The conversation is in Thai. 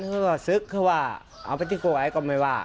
ก็คือซึ้กเข้ามาเอาไปที่โกหกไรก็ไม่ว่า